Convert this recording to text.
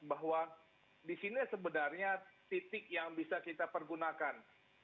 bahwa disini sebenarnya titik yang bisa kita pergunakan